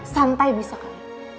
santai bisa kan